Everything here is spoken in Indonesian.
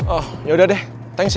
oh yaudah deh thanks ya